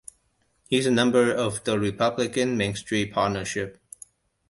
He is a member of the Republican Main Street Partnership.